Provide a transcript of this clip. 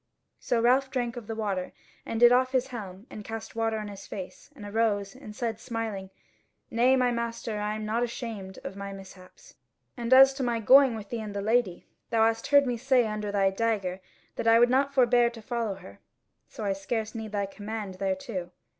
So Ralph drank of the water, and did off his helm, and cast water on his face, and arose, and said smiling: "Nay, my master, I am nought ashamed of my mishaps: and as to my going with thee and the Lady, thou hast heard me say under thy dagger that I would not forbear to follow her; so I scarce need thy command thereto."